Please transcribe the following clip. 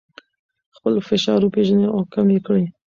خپل فشار وپیژنئ او کم یې کړئ.